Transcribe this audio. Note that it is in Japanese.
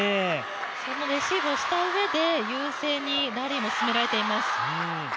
そのレシーブをしたうえで優勢にラリーも進められています。